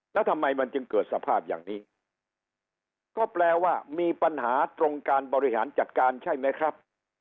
แล้วทำไมมันจึงเกิดสภาพอย่างนี้ก็แปลว่ามีปัญหาตรงการบริหารจัดการใช่ไหมครับ